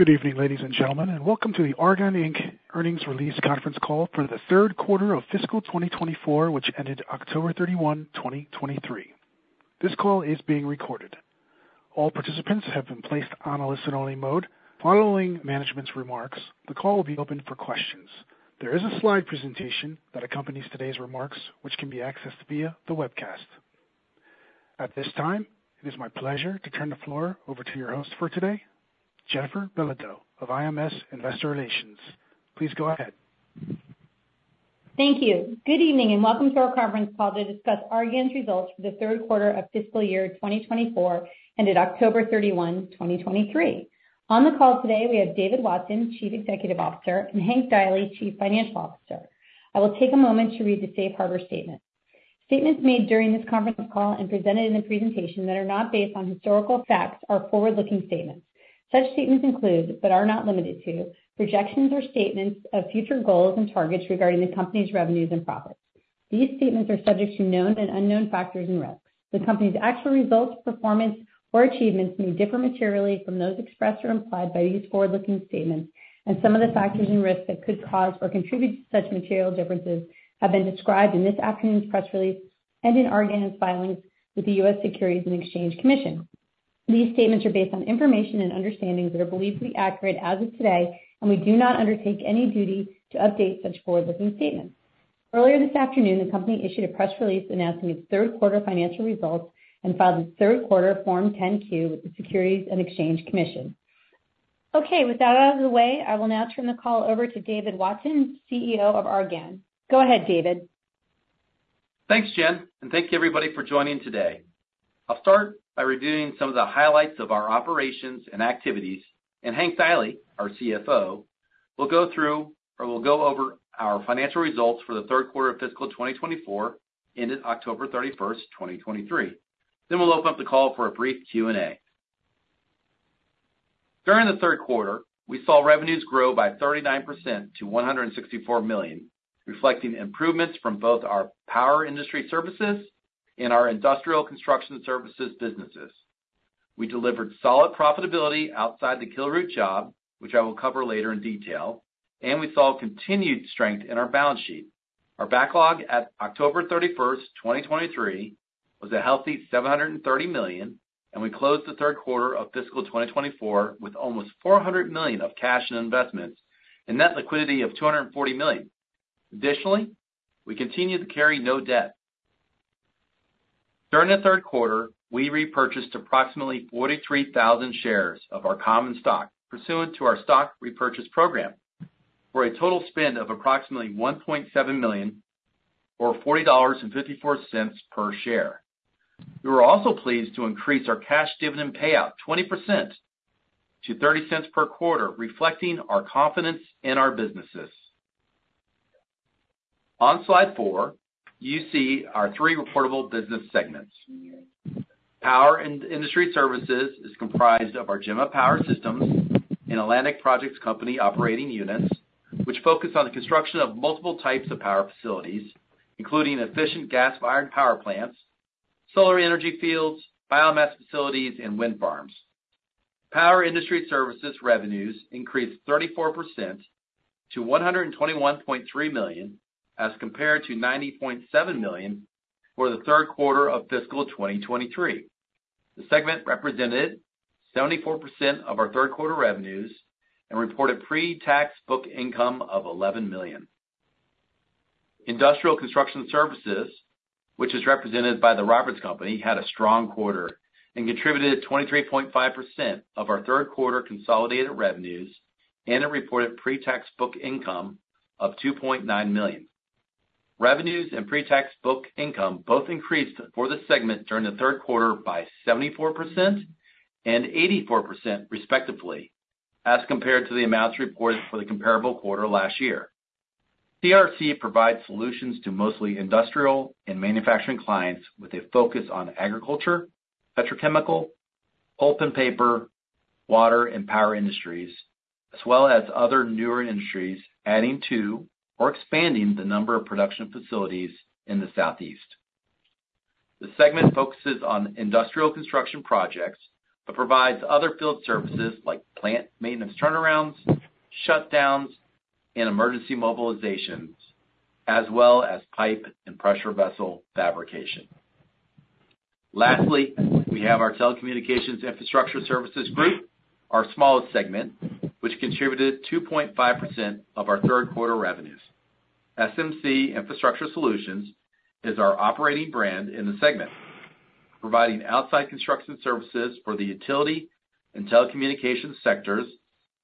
Good evening, ladies and gentlemen, and welcome to the Argan Inc earnings release conference call for the Q3 of fiscal 2024, which ended October 31, 2023. This call is being recorded. All participants have been placed on a listen-only mode. Following management's remarks, the call will be opened for questions. There is a slide presentation that accompanies today's remarks, which can be accessed via the webcast. At this time, it is my pleasure to turn the floor over to your host for today, Jennifer Belodeau of IMS Investor Relations. Please go ahead. Thank you. Good evening, and welcome to our conference call to discuss Argan's results for the Q3 of fiscal year 2024, ended October 31, 2023. On the call today, we have David Watson, Chief Executive Officer, and Hank Deily, Chief Financial Officer. I will take a moment to read the safe harbor statement. Statements made during this conference call and presented in the presentation that are not based on historical facts are forward-looking statements. Such statements include, but are not limited to, projections or statements of future goals and targets regarding the company's revenues and profits. These statements are subject to known and unknown factors and risks. The company's actual results, performance, or achievements may differ materially from those expressed or implied by these forward-looking statements, and some of the factors and risks that could cause or contribute to such material differences have been described in this afternoon's press release and in Argan's filings with the U.S. Securities and Exchange Commission. These statements are based on information and understandings that are believed to be accurate as of today, and we do not undertake any duty to update such forward-looking statements. Earlier this afternoon, the company issued a press release announcing its Q3 financial results and filed its Q3 Form 10-Q with the Securities and Exchange Commission. Okay, with that out of the way, I will now turn the call over to David Watson, CEO of Argan. Go ahead, David. Thanks, Jen, and thank you everybody for joining today. I'll start by reviewing some of the highlights of our operations and activities, and Hank Deily, our CFO, will go through or will go over our financial results for the Q3 of fiscal 2024, ended October 31st, 2023. Then we'll open up the call for a brief Q&A. During the Q3, we saw revenues grow by 39% to $164 million, reflecting improvements from both our power industry services and our industrial construction services businesses. We delivered solid profitability outside the Kilroot job, which I will cover later in detail, and we saw continued strength in our balance sheet. Our backlog at October 31, 2023, was a healthy $730 million, and we closed the Q3 of fiscal 2024 with almost $400 million of cash and investments and net liquidity of $240 million. Additionally, we continue to carry no debt. During the Q3, we repurchased approximately 43,000 shares of our common stock pursuant to our stock repurchase program, for a total spend of approximately $1.7 million, or $40.54 per share. We were also pleased to increase our cash dividend payout 20% to $0.30 per quarter, reflecting our confidence in our businesses. On slide 4, you see our three reportable business segments. Power and Industry Services is comprised of our Gemma Power Systems and Atlantic Projects Company operating units, which focus on the construction of multiple types of power facilities, including efficient gas-fired power plants, solar energy fields, biomass facilities, and wind farms. Power Industry Services revenues increased 34% to $121.3 million, as compared to $90.7 million for the Q3 of fiscal 2023. The segment represented 74% of our Q3 revenues and reported pre-tax book income of $11 million. Industrial Construction Services, which is represented by The Roberts Company, had a strong quarter and contributed 23.5% of our Q3 consolidated revenues and a reported pre-tax book income of $2.9 million. Revenues and pre-tax book income both increased for the segment during the Q3 by 74% and 84%, respectively, as compared to the amounts reported for the comparable quarter last year. TRC provides solutions to mostly industrial and manufacturing clients with a focus on agriculture, petrochemical, pulp and paper, water and power industries, as well as other newer industries, adding to or expanding the number of production facilities in the Southeast. The segment focuses on industrial construction projects, but provides other field services like plant maintenance, turnarounds, shutdowns, and emergency mobilizations, as well as pipe and pressure vessel fabrication. Lastly, we have our telecommunications infrastructure services group, our smallest segment, which contributed 2.5% of our Q3 revenues. SMC Infrastructure Solutions is our operating brand in the segment, providing outside construction services for the utility and telecommunications sectors,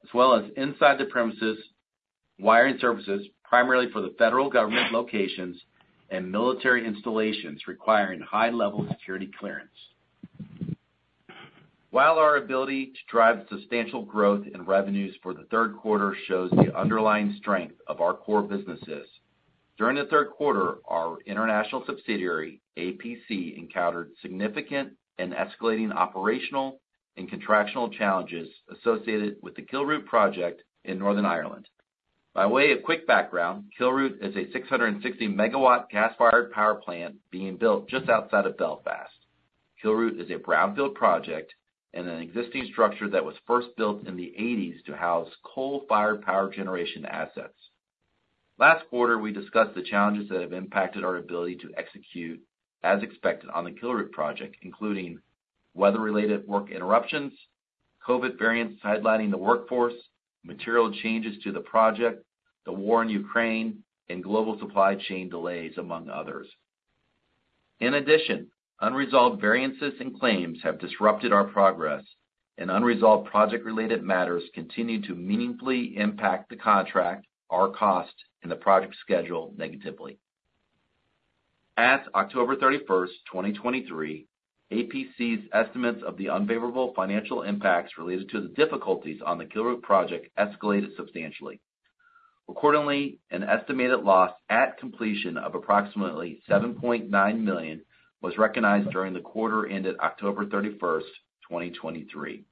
as well as inside-the-premise wiring services, primarily for the federal government locations and military installations requiring high-level security clearance. While our ability to drive substantial growth in revenues for the Q3 shows the underlying strength of our core businesses, during the Q3, our international subsidiary, APC, encountered significant and escalating operational and contractual challenges associated with the Kilroot project in Northern Ireland... By way of quick background, Kilroot is a 660-MW gas-fired power plant being built just outside of Belfast. Kilroot is a brownfield project and an existing structure that was first built in the 1980s to house coal-fired power generation assets. Last quarter, we discussed the challenges that have impacted our ability to execute as expected on the Kilroot project, including weather-related work interruptions, COVID variants sidelining the workforce, material changes to the project, the war in Ukraine, and global supply chain delays, among others. In addition, unresolved variances and claims have disrupted our progress, and unresolved project-related matters continue to meaningfully impact the contract, our cost, and the project schedule negatively. At October 31, 2023, APC's estimates of the unfavorable financial impacts related to the difficulties on the Kilroot project escalated substantially. Accordingly, an estimated loss at completion of approximately $7.9 million was recognized during the quarter ended October 31, 2023.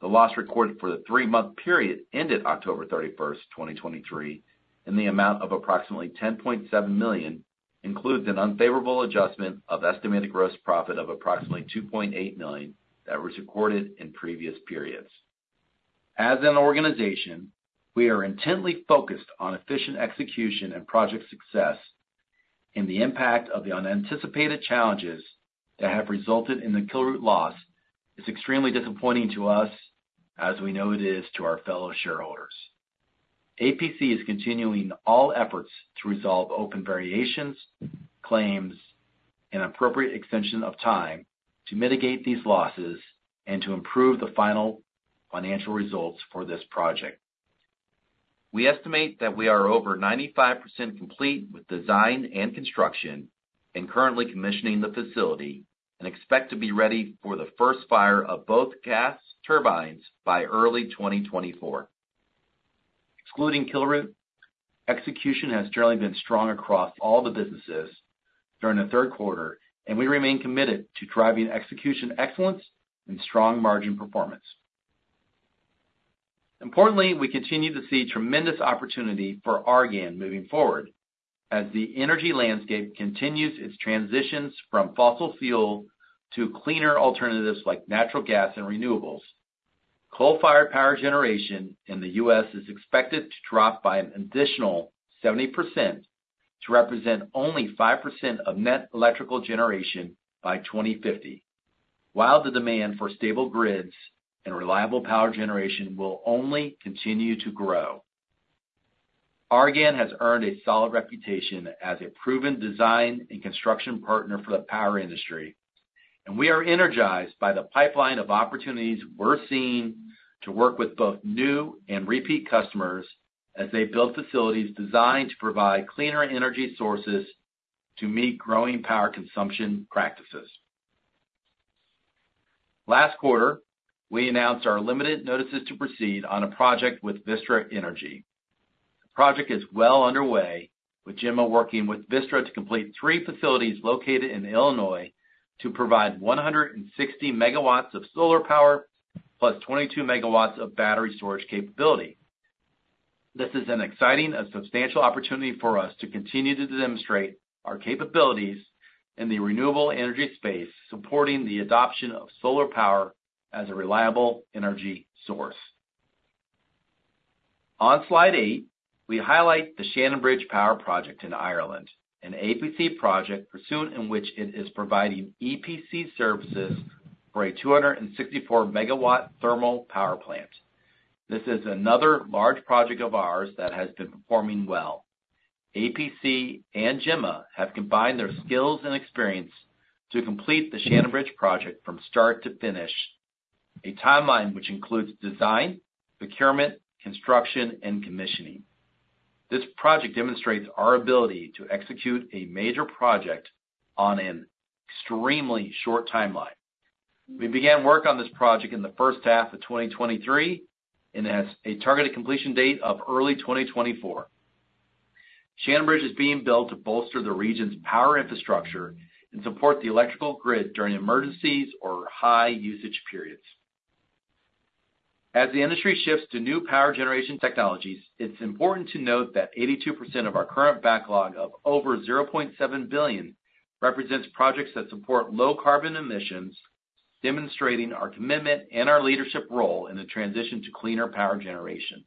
The loss recorded for the three-month period ended October 31, 2023, in the amount of approximately $10.7 million, includes an unfavorable adjustment of estimated gross profit of approximately $2.8 million that was recorded in previous periods. As an organization, we are intently focused on efficient execution and project success, and the impact of the unanticipated challenges that have resulted in the Kilroot loss is extremely disappointing to us as we know it is to our fellow shareholders. APC is continuing all efforts to resolve open variations, claims, and appropriate extension of time to mitigate these losses and to improve the final financial results for this project. We estimate that we are over 95% complete with design and construction, and currently commissioning the facility, and expect to be ready for the first fire of both gas turbines by early 2024. Excluding Kilroot, execution has generally been strong across all the businesses during the Q3, and we remain committed to driving execution excellence and strong margin performance. Importantly, we continue to see tremendous opportunity for Argan moving forward. As the energy landscape continues its transitions from fossil fuel to cleaner alternatives like natural gas and renewables, coal-fired power generation in the U.S. is expected to drop by an additional 70% to represent only 5% of net electrical generation by 2050, while the demand for stable grids and reliable power generation will only continue to grow. Argan has earned a solid reputation as a proven design and construction partner for the power industry, and we are energized by the pipeline of opportunities we're seeing to work with both new and repeat customers as they build facilities designed to provide cleaner energy sources to meet growing power consumption practices. Last quarter, we announced our limited notices to proceed on a project with Vistra Energy. The project is well underway, with Gemma working with Vistra to complete three facilities located in Illinois to provide 160 megawatts of solar power plus 22 megawatts of battery storage capability. This is an exciting and substantial opportunity for us to continue to demonstrate our capabilities in the renewable energy space, supporting the adoption of solar power as a reliable energy source. On slide 8, we highlight the Shannonbridge Power project in Ireland, an APC project pursuant in which it is providing EPC services for a 264-megawatt thermal power plant. This is another large project of ours that has been performing well. APC and Gemma have combined their skills and experience to complete the Shannonbridge project from start to finish, a timeline which includes design, procurement, construction, and commissioning. This project demonstrates our ability to execute a major project on an extremely short timeline. We began work on this project in the first half of 2023 and has a targeted completion date of early 2024. Shannonbridge is being built to bolster the region's power infrastructure and support the electrical grid during emergencies or high usage periods. As the industry shifts to new power generation technologies, it's important to note that 82% of our current backlog of over $0.7 billion represents projects that support low carbon emissions, demonstrating our commitment and our leadership role in the transition to cleaner power generation.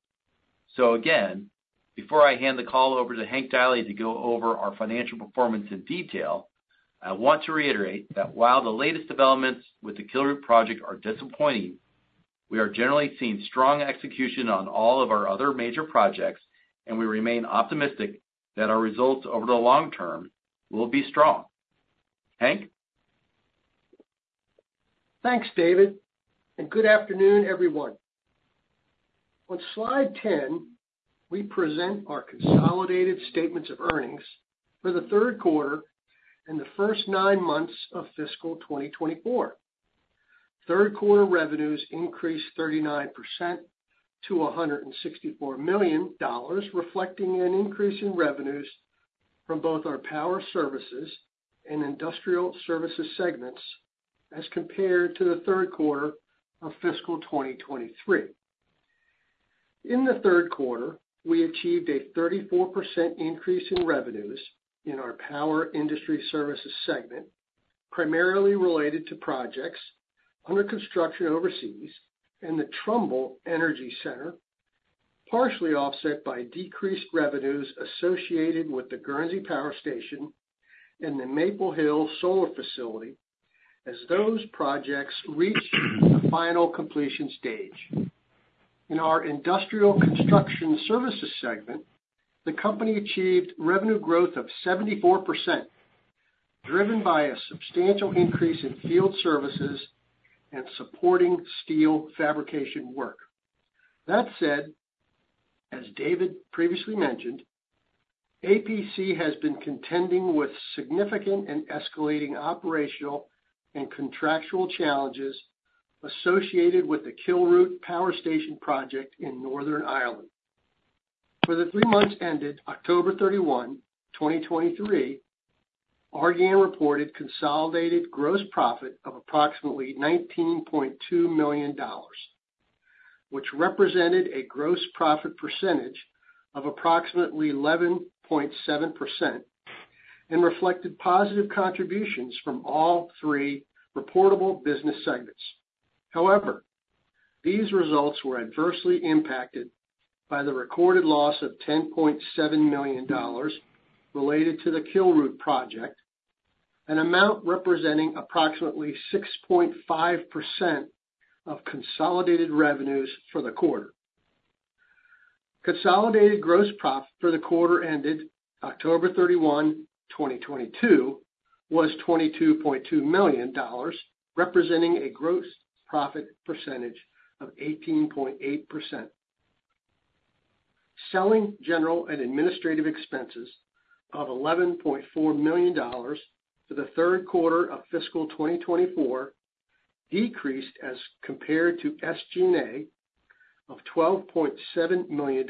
So again, before I hand the call over to Hank Deily to go over our financial performance in detail, I want to reiterate that while the latest developments with the Kilroot project are disappointing, we are generally seeing strong execution on all of our other major projects, and we remain optimistic that our results over the long term will be strong. Hank? Thanks, David, and good afternoon, everyone. On slide 10, we present our consolidated statements of earnings for the Q3 and the first nine months of fiscal 2024. Q3 revenues increased 39% to $164 million, reflecting an increase in revenues from both our power services and industrial services segments as compared to the Q3 of fiscal 2023. In the Q3, we achieved a 34% increase in revenues in our power industry services segment, primarily related to projects under construction overseas and the Trumbull Energy Center, partially offset by decreased revenues associated with the Guernsey Power Station and the Maple Hill Solar Facility, as those projects reached the final completion stage. In our industrial construction services segment, the company achieved revenue growth of 74%, driven by a substantial increase in field services and supporting steel fabrication work. That said, as David previously mentioned, APC has been contending with significant and escalating operational and contractual challenges associated with the Kilroot Power Station project in Northern Ireland. For the three months ended October 31, 2023, our GAAP reported consolidated gross profit of approximately $19.2 million, which represented a gross profit percentage of approximately 11.7% and reflected positive contributions from all three reportable business segments. However, these results were adversely impacted by the recorded loss of $10.7 million related to the Kilroot project, an amount representing approximately 6.5% of consolidated revenues for the quarter. Consolidated gross profit for the quarter ended October 31, 2022, was $22.2 million, representing a gross profit percentage of 18.8%. Selling, general, and administrative expenses of $11.4 million for the Q3 of fiscal 2024 decreased as compared to SG&A of $12.7 million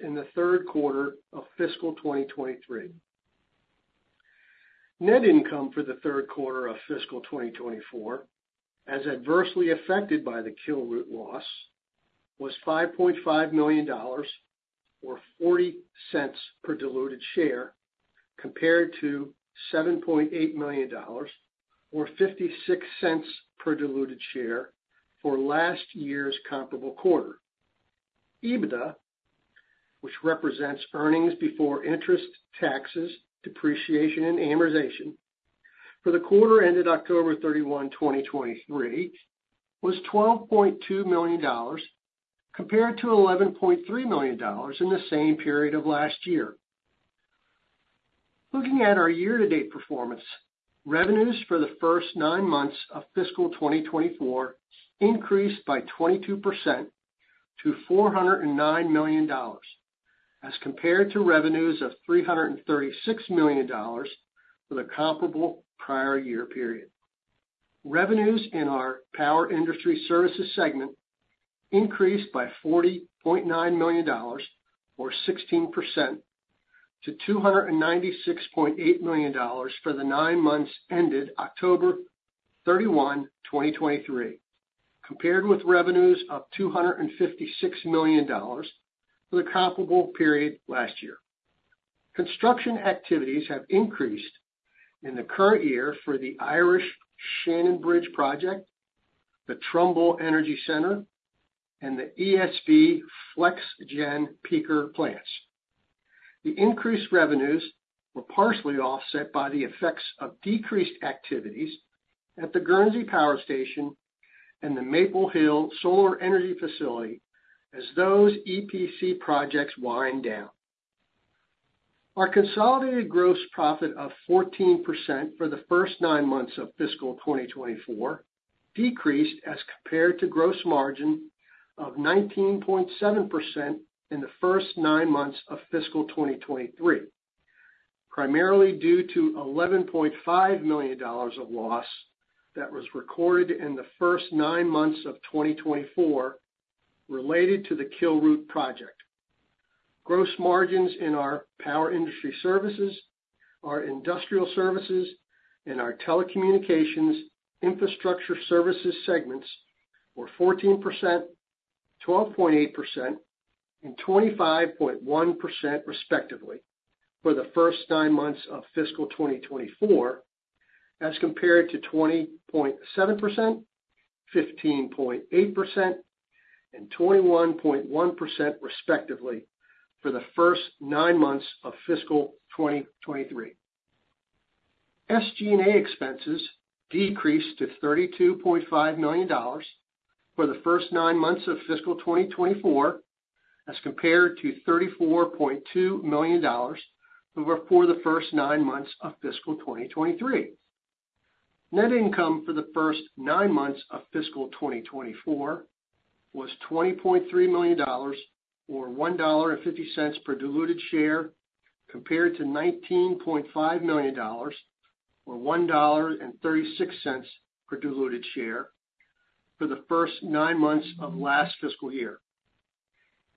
in the Q3 of fiscal 2023. Net income for the Q3 of fiscal 2024, as adversely affected by the Kilroot loss, was $5.5 million or $0.40 per diluted share, compared to $7.8 million or $0.56 per diluted share for last year's comparable quarter. EBITDA, which represents earnings before interest, taxes, depreciation, and amortization, for the quarter ended October 31, 2023, was $12.2 million, compared to $11.3 million in the same period of last year. Looking at our year-to-date performance, revenues for the first nine months of fiscal 2024 increased by 22% to $409 million, as compared to revenues of $336 million for the comparable prior year period. Revenues in our power industry services segment increased by $40.9 million, or 16%, to $296.8 million for the nine months ended October 31, 2023, compared with revenues of $256 million for the comparable period last year. Construction activities have increased in the current year for the Irish Shannonbridge Power project, the Trumbull Energy Center, and the ESB Flex Gen Peaker Plants. The increased revenues were partially offset by the effects of decreased activities at the Guernsey Power Station and the Maple Hill Solar Facility as those EPC projects wind down. Our consolidated gross profit of 14% for the first nine months of fiscal 2024 decreased as compared to gross margin of 19.7% in the first nine months of fiscal 2023, primarily due to $11.5 million of loss that was recorded in the first nine months of 2024 related to the Kilroot project. Gross margins in our power industry services, our industrial services, and our telecommunications infrastructure services segments were 14%, 12.8%, and 25.1%, respectively, for the first nine months of fiscal 2024, as compared to 20.7%, 15.8%, and 21.1%, respectively, for the first nine months of fiscal 2023. SG&A expenses decreased to $32.5 million for the first nine months of fiscal 2024, as compared to $34.2 million for the first nine months of fiscal 2023. Net income for the first nine months of fiscal 2024 was $20.3 million, or $1.50 per diluted share, compared to $19.5 million, or $1.36 per diluted share for the first nine months of last fiscal year.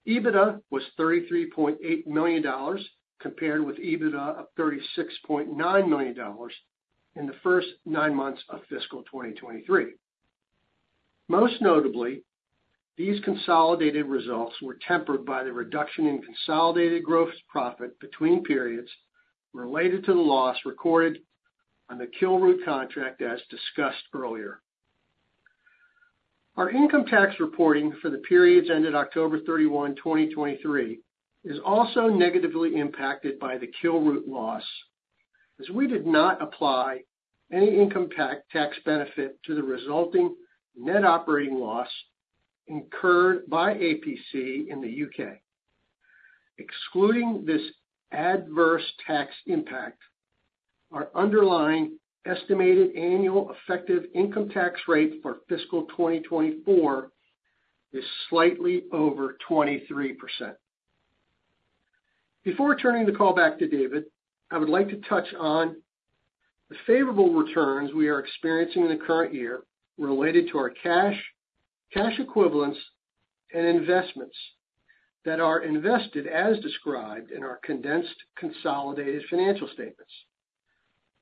EBITDA was $33.8 million, compared with EBITDA of $36.9 million in the first nine months of fiscal 2023. Most notably, these consolidated results were tempered by the reduction in consolidated gross profit between periods related to the loss recorded on the Kilroot contract, as discussed earlier. Our income tax reporting for the periods ended October 31, 2023, is also negatively impacted by the Kilroot loss, as we did not apply any income tax benefit to the resulting net operating loss incurred by APC in the UK. Excluding this adverse tax impact, our underlying estimated annual effective income tax rate for fiscal 2024 is slightly over 23%. Before turning the call back to David, I would like to touch on the favorable returns we are experiencing in the current year related to our cash, cash equivalents, and investments that are invested as described in our condensed consolidated financial statements.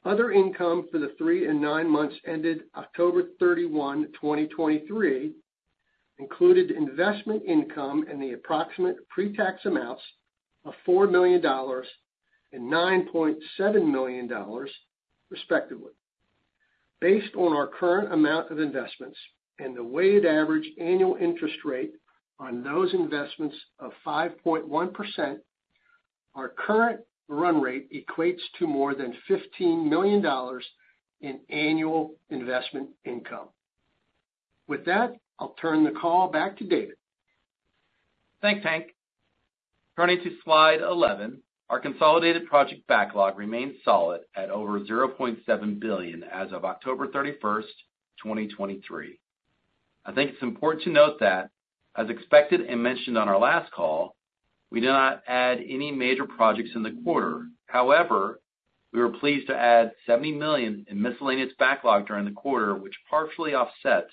Other income for the three and nine months ended October 31, 2023, included investment income in the approximate pretax amounts of $4 million and $9.7 million, respectively. Based on our current amount of investments and the weighted average annual interest rate on those investments of 5.1%, our current run rate equates to more than $15 million in annual investment income. With that, I'll turn the call back to David. Thanks, Hank. Turning to Slide 11, our consolidated project backlog remains solid at over $0.7 billion as of October 31, 2023. I think it's important to note that, as expected and mentioned on our last call, we did not add any major projects in the quarter. However, we were pleased to add $70 million in miscellaneous backlog during the quarter, which partially offset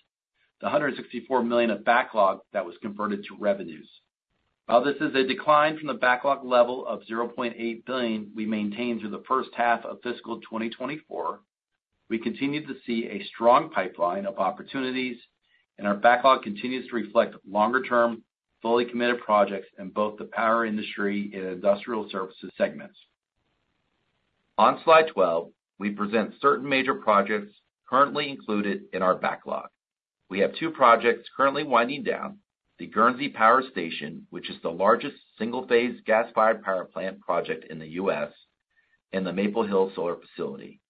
the $164 million of backlog that was converted to revenues. While this is a decline from the backlog level of $0.8 billion we maintained through the first half of fiscal 2024, we continue to see a strong pipeline of opportunities, and our backlog continues to reflect longer-term, fully committed projects in both the power industry and industrial services segments. On Slide 12, we present certain major projects currently included in our backlog. We have two projects currently winding down: the Guernsey Power Station, which is the largest single-phase gas-fired power plant project in the U.S., and the Maple Hill Solar Facility.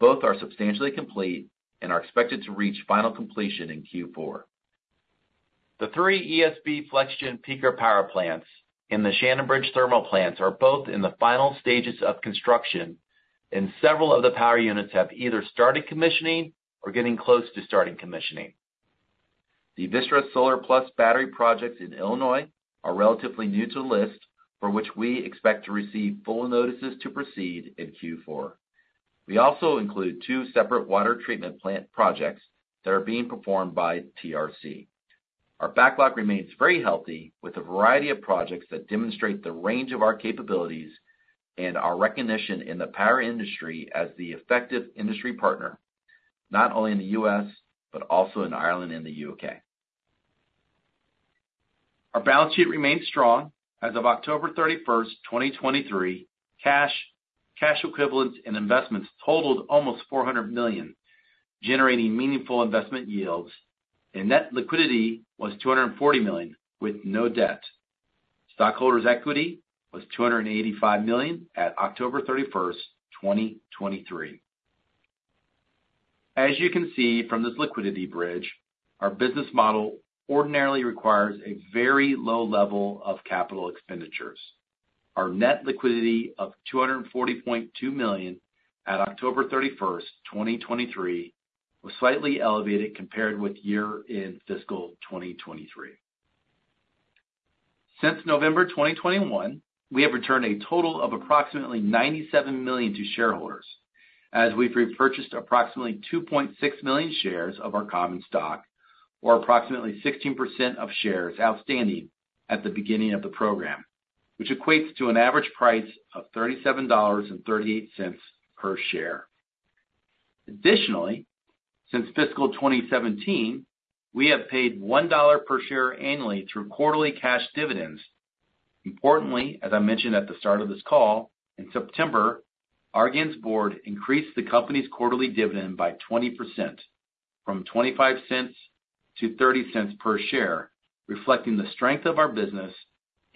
Both are substantially complete and are expected to reach final completion in Q4. The three ESB Flexgen Peaker power plants and the Shannonbridge Thermal Plants are both in the final stages of construction, and several of the power units have either started commissioning or getting close to starting commissioning. The Vistra Solar Plus battery projects in Illinois are relatively new to the list, for which we expect to receive full notices to proceed in Q4. We also include two separate water treatment plant projects that are being performed by TRC. Our backlog remains very healthy, with a variety of projects that demonstrate the range of our capabilities and our recognition in the power industry as the effective industry partner, not only in the U.S., but also in Ireland and the U.K. Our balance sheet remains strong. As of October 31, 2023, cash, cash equivalents, and investments totaled almost $400 million, generating meaningful investment yields, and net liquidity was $240 million, with no debt. Stockholders' equity was $285 million at October 31, 2023. As you can see from this liquidity bridge, our business model ordinarily requires a very low level of capital expenditures. Our net liquidity of $240.2 million at October 31, 2023, was slightly elevated compared with year in fiscal 2023. Since November 2021, we have returned a total of approximately $97 million to shareholders, as we've repurchased approximately 2.6 million shares of our common stock, or approximately 16% of shares outstanding at the beginning of the program, which equates to an average price of $37.38 per share. Additionally, since fiscal 2017, we have paid $1 per share annually through quarterly cash dividends. Importantly, as I mentioned at the start of this call, in September, Argan's board increased the company's quarterly dividend by 20%, from $0.25 to $0.30 per share, reflecting the strength of our business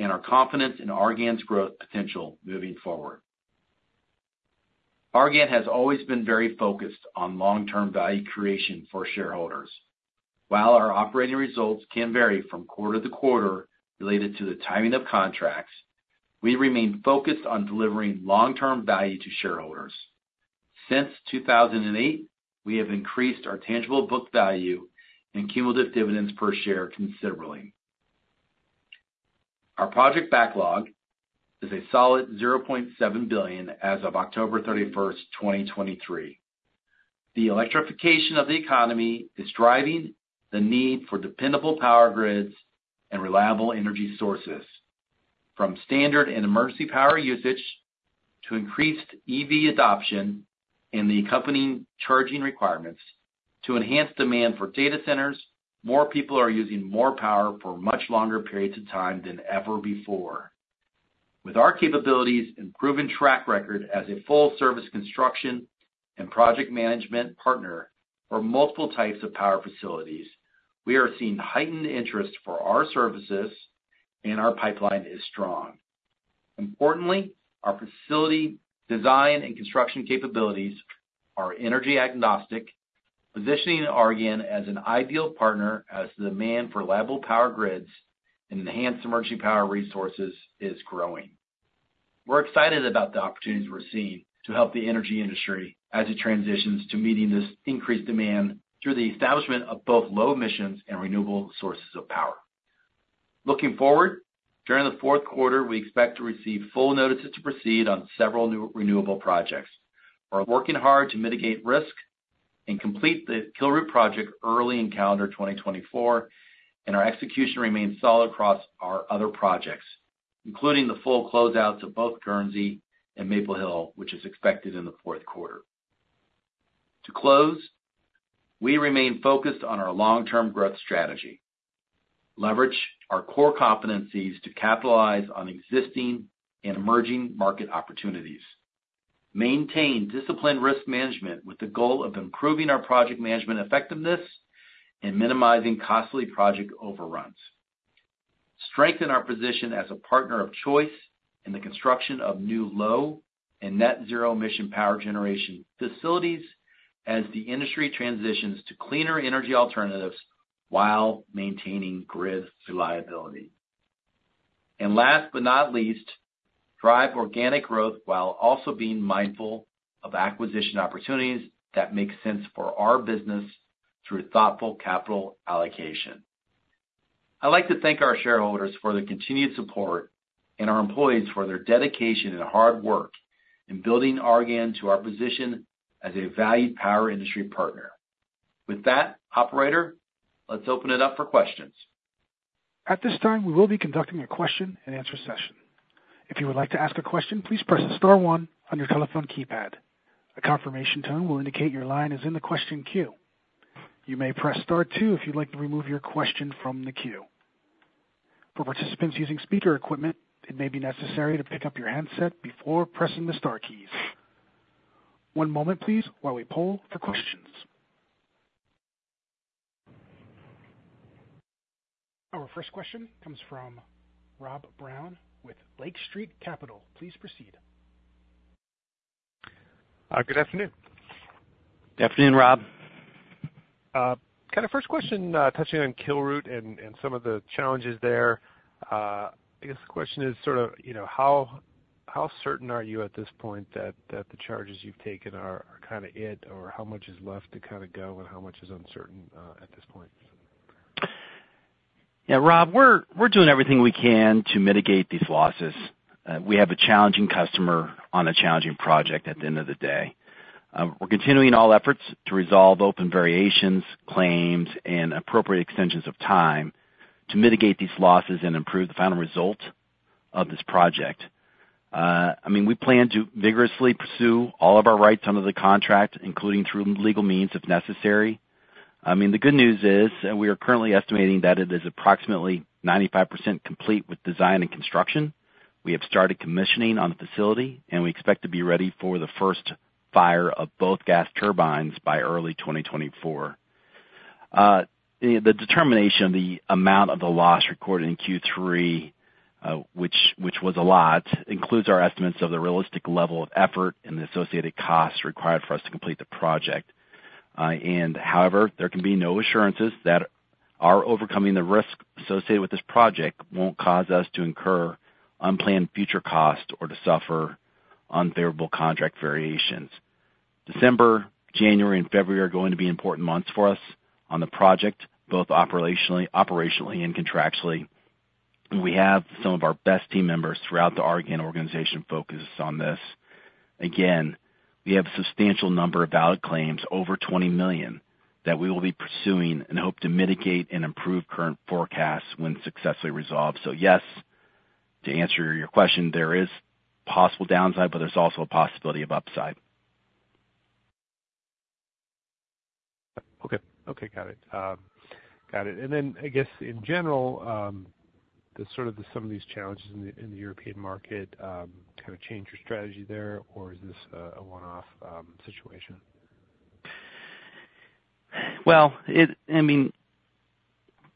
and our confidence in Argan's growth potential moving forward. Argan has always been very focused on long-term value creation for shareholders. While our operating results can vary from quarter to quarter related to the timing of contracts, we remain focused on delivering long-term value to shareholders. Since 2008, we have increased our tangible book value and cumulative dividends per share considerably. Our project backlog is a solid $0.7 billion as of October 31, 2023.... The electrification of the economy is driving the need for dependable power grids and reliable energy sources, from standard and emergency power usage to increased EV adoption and the accompanying charging requirements to enhance demand for data centers, more people are using more power for much longer periods of time than ever before. With our capabilities and proven track record as a full-service construction and project management partner for multiple types of power facilities, we are seeing heightened interest for our services, and our pipeline is strong. Importantly, our facility design and construction capabilities are energy agnostic, positioning Argan as an ideal partner as the demand for reliable power grids and enhanced emergency power resources is growing. We're excited about the opportunities we're seeing to help the energy industry as it transitions to meeting this increased demand through the establishment of both low emissions and renewable sources of power. Looking forward, during the fourth quarter, we expect to receive full notices to proceed on several new renewable projects. We're working hard to mitigate risk and complete the Kilroot project early in calendar 2024, and our execution remains solid across our other projects, including the full closeouts of both Guernsey and Maple Hill, which is expected in the fourth quarter. To close, we remain focused on our long-term growth strategy, leverage our core competencies to capitalize on existing and emerging market opportunities, maintain disciplined risk management with the goal of improving our project management effectiveness and minimizing costly project overruns. Strengthen our position as a partner of choice in the construction of new low and net zero emission power generation facilities as the industry transitions to cleaner energy alternatives while maintaining grid reliability. And last but not least, drive organic growth while also being mindful of acquisition opportunities that make sense for our business through thoughtful capital allocation. I'd like to thank our shareholders for their continued support and our employees for their dedication and hard work in building Argan to our position as a valued power industry partner. With that, operator, let's open it up for questions. At this time, we will be conducting a question-and-answer session. If you would like to ask a question, please press star one on your telephone keypad. A confirmation tone will indicate your line is in the question queue. You may press star two if you'd like to remove your question from the queue. For participants using speaker equipment, it may be necessary to pick up your handset before pressing the star keys. One moment, please, while we poll for questions. Our first question comes from Rob Brown with Lake Street Capital. Please proceed. Good afternoon. Good afternoon, Rob. Kind of first question, touching on Kilroot and some of the challenges there. I guess the question is sort of, you know, how certain are you at this point that the charges you've taken are kind of it, or how much is left to kind of go and how much is uncertain, at this point? Yeah, Rob, we're doing everything we can to mitigate these losses. We have a challenging customer on a challenging project at the end of the day. We're continuing all efforts to resolve open variations, claims, and appropriate extensions of time to mitigate these losses and improve the final result of this project. I mean, we plan to vigorously pursue all of our rights under the contract, including through legal means, if necessary. I mean, the good news is, we are currently estimating that it is approximately 95% complete with design and construction. We have started commissioning on the facility, and we expect to be ready for the first fire of both gas turbines by early 2024. The determination of the amount of the loss recorded in Q3, which was a lot, includes our estimates of the realistic level of effort and the associated costs required for us to complete the project. However, there can be no assurances that our overcoming the risk associated with this project won't cause us to incur unplanned future costs or to suffer unfavorable contract variations. December, January, and February are going to be important months for us on the project, both operationally and contractually. We have some of our best team members throughout the Argan organization focused on this. Again, we have a substantial number of valid claims, over $20 million, that we will be pursuing and hope to mitigate and improve current forecasts when successfully resolved. To answer your question, there is possible downside, but there's also a possibility of upside. Okay. Okay, got it. Then I guess in general, the sort of some of these challenges in the European market, kind of change your strategy there, or is this a one-off situation? I mean,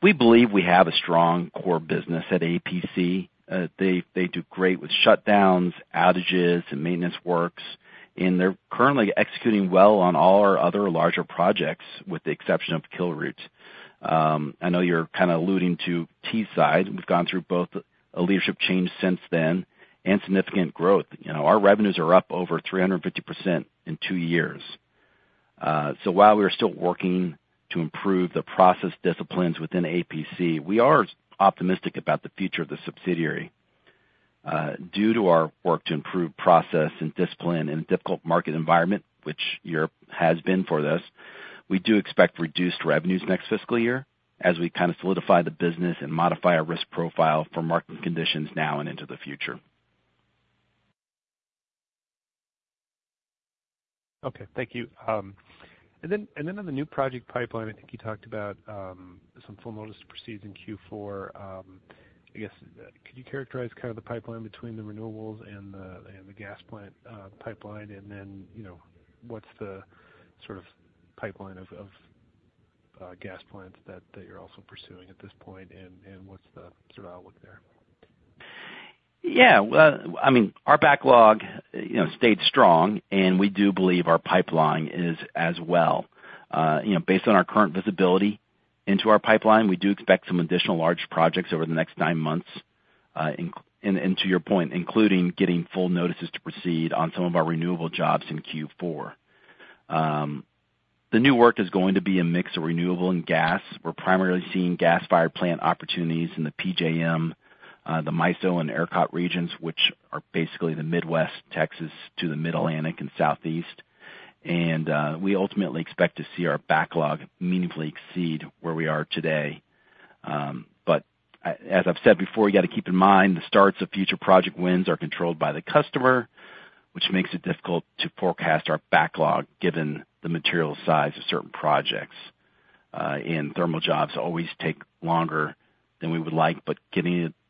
we believe we have a strong core business at APC. They do great with shutdowns, outages and maintenance works, and they're currently executing well on all our other larger projects, with the exception of Kilroot. I know you're kind of alluding to Teesside. We've gone through both a leadership change since then and significant growth. Our revenues are up over 350% in two years. While we are still working to improve the process disciplines within APC, we are optimistic about the future of the subsidiary due to our work to improve process and discipline in a difficult market environment, which Europe has been for this. We do expect reduced revenues next fiscal year, as we kind of solidify the business and modify our risk profile for market conditions now and into the future. Okay, thank you. Then on the new project pipeline, I think you talked about some full notice to proceed in Q4. I guess, could you characterize kind of the pipeline between the renewables and the gas plant pipeline? Then, what's the sort of pipeline of gas plants that you're also pursuing at this point, and what's the sort of outlook there? Yeah, well, I mean, our backlog, you know, stayed strong, and we do believe our pipeline is as well. Based on our current visibility into our pipeline, we do expect some additional large projects over the next nine months, and to your point, including getting full notices to proceed on some of our renewable jobs in Q4. The new work is going to be a mix of renewable and gas. We're primarily seeing gas-fired plant opportunities in the PJM, the MISO and ERCOT regions, which are basically the Midwest, Texas to the Mid-Atlantic and Southeast, and, we ultimately expect to see our backlog meaningfully exceed where we are today. As I've said before, you got to keep in mind the starts of future project wins are controlled by the customer, which makes it difficult to forecast our backlog, given the material size of certain projects, and thermal jobs always take longer than we would like, but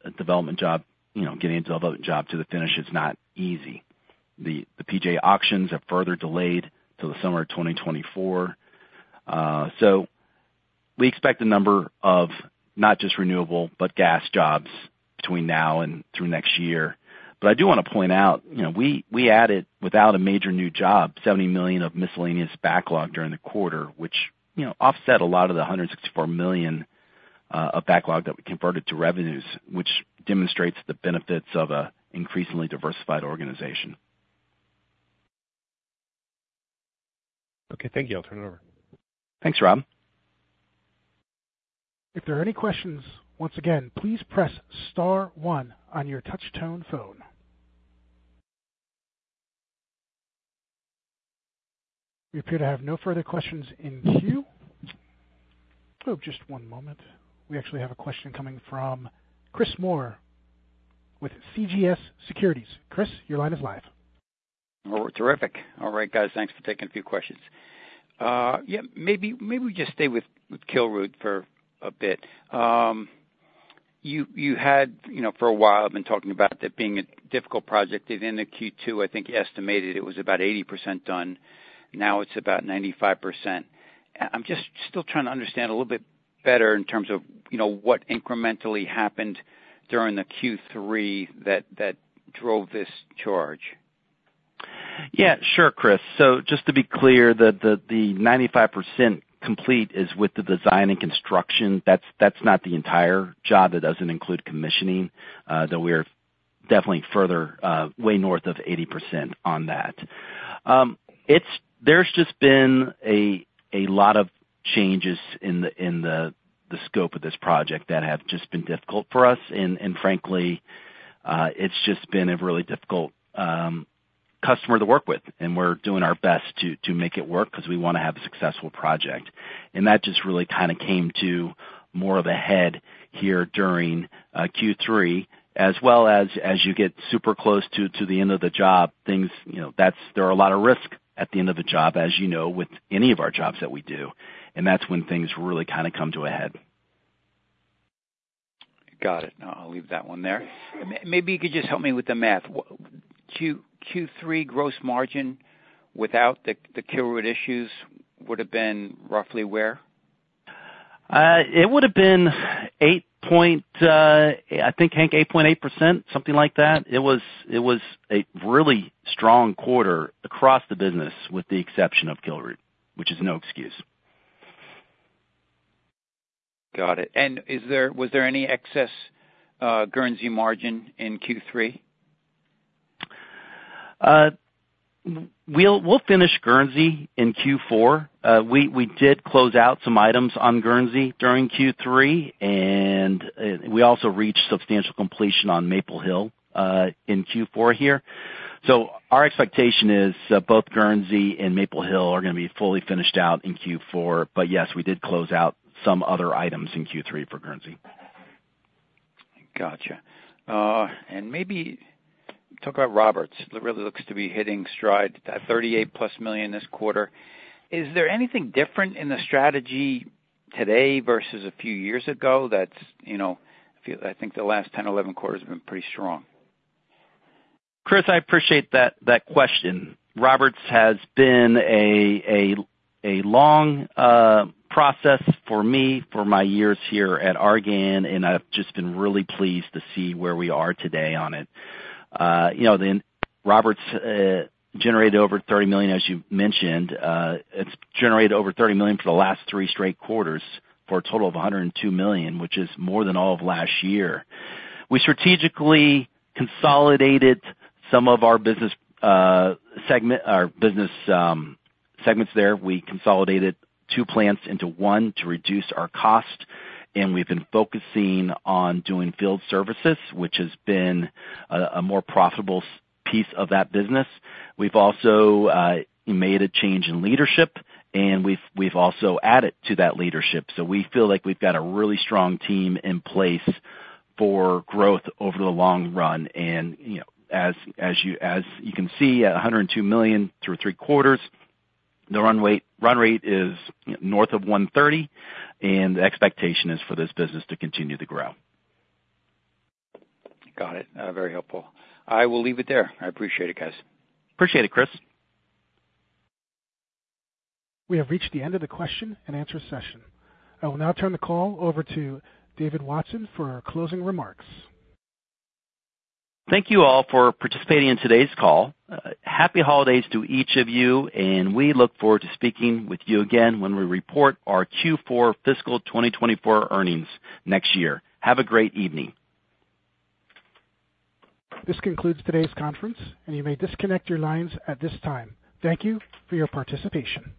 getting a development job, you know, getting a development job to the finish is not easy. The PJM auctions are further delayed till the summer of 2024. We expect a number of not just renewable, but gas jobs between now and through next year. I do wanna point out, you know, we added, without a major new job, $70 million of miscellaneous backlog during the quarter, which, offset a lot of the $164 million of backlog that we converted to revenues, which demonstrates the benefits of an increasingly diversified organization. Okay, thank you. I'll turn it over. Thanks, Rob. If there are any questions, once again, please press star one on your touch tone phone. We appear to have no further questions in queue. Oh, just one moment. We actually have a question coming from Chris Moore with CJS Securities. Chris, your line is live. Oh, terrific. All right, guys, thanks for taking a few questions. Yeah, maybe we just stay with Kilroot for a bit. You had, you know, for a while, been talking about that being a difficult project. In the Q2, I think you estimated it was about 80% done. Now it's about 95%. I'm just still trying to understand a little bit better in terms of, you know, what incrementally happened during the Q3 that drove this charge. Yeah, sure, Chris. Jjust to be clear, the 95% complete is with the design and construction. That's not the entire job. That doesn't include commissioning, though we are definitely further way north of 80% on that. It's. There's just been a lot of changes in the scope of this project that have just been difficult for us. Frankly, it's just been a really difficult customer to work with, and we're doing our best to make it work because we wanna have a successful project. That just really kind of came to more of a head here during Q3, as well as, as you get super close to the end of the job, things, you know, that's there are a lot of risk at the end of a job, as you know, with any of our jobs that we do, and that's when things really kind of come to a head. Got it. I'll leave that one there. Maybe you could just help me with the math. Q3 gross margin without the Kilroot issues would have been roughly where? It would have been 8.8%, I think, Hank, something like that. It was, it was a really strong quarter across the business, with the exception of Kilroot, which is no excuse. Got it. And is there, was there any excess Guernsey margin in Q3? We'll finish Guernsey in Q4. We did close out some items on Guernsey during Q3, and we also reached substantial completion on Maple Hill in Q4 here. So our expectation is that both Guernsey and Maple Hill are gonna be fully finished out in Q4. But yes, we did close out some other items in Q3 for Guernsey. Gotcha. Maybe talk about Roberts. It really looks to be hitting stride at $38+ million this quarter. Is there anything different in the strategy today versus a few years ago that's, you know... I feel, I think the last 10, 11 quarters have been pretty strong. Chris, I appreciate that question. Roberts has been a long process for me for my years here at Argan, and I've just been really pleased to see where we are today on it. The Roberts generated over $30 million, as you mentioned. It's generated over $30 million for the last three straight quarters, for a total of $102 million, which is more than all of last year. We strategically consolidated some of our business segment, our business segments there. We consolidated two plants into one to reduce our cost, and we've been focusing on doing field services, which has been a more profitable piece of that business. We've also made a change in leadership, and we've also added to that leadership. We feel like we've got a really strong team in place for growth over the long run, and, as you can see, $102 million through three quarters, the run rate is north of $130, and the expectation is for this business to continue to grow. Got it. Very helpful. I will leave it there. I appreciate it, guys. Appreciate it, Chris. We have reached the end of the question-and-answer session. I will now turn the call over to David Watson for our closing remarks. Thank you all for participating in today's call. Happy holidays to each of you, and we look forward to speaking with you again when we report our Q4 fiscal 2024 earnings next year. Have a great evening. This concludes today's conference, and you may disconnect your lines at this time. Thank you for your participation.